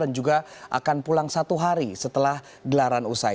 dan juga akan pulang satu hari setelah gelaran usai